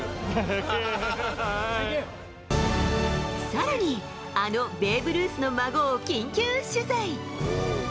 さらに、あのベーブ・ルースの孫を緊急取材。